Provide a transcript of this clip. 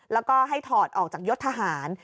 แล้วก็ให้ถอดออกจากยศทหาร